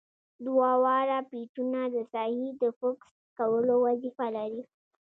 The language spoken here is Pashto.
دوه واړه پیچونه د ساحې د فوکس کولو وظیفه لري.